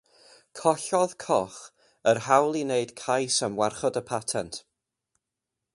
Collodd Koch yr hawl i wneud cais am warchod y patent.